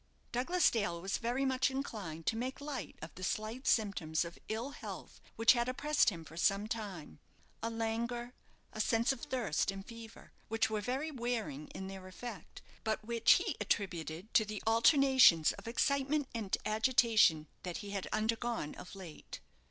Douglas Dale was very much inclined to make light of the slight symptoms of ill health which had oppressed him for some time a languor, a sense of thirst and fever, which were very wearing in their effect, but which he attributed to the alternations of excitement and agitation that he had undergone of late.